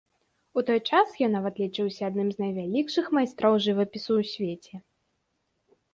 У той час ён нават лічыўся адным з найвялікшых майстроў жывапісу ў свеце.